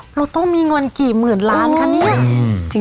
เราต้องมีเงินกี่หมื่นล้านคะเนี่ย